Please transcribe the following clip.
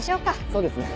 そうですね。